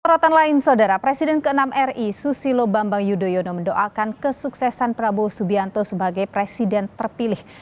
sorotan lain saudara presiden ke enam ri susilo bambang yudhoyono mendoakan kesuksesan prabowo subianto sebagai presiden terpilih